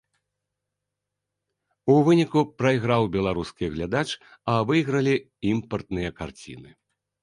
У выніку прайграў беларускі глядач, а выйгралі імпартныя карціны.